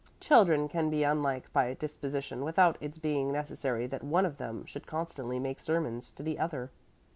Children can be unlike by disposition without its being necessary that one of them should constantly make sermons to the other."